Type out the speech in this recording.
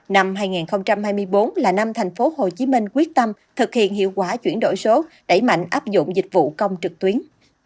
năm hai nghìn hai mươi bốn là năm thành phố hồ chí minh quyết tâm thực hiện hiệu quả chuyển đổi số đẩy mạnh áp dụng dịch vụ công trực tuyến